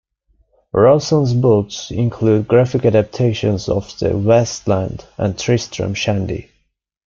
Rowson's books include graphic adaptations of "The Waste Land" and "Tristram Shandy".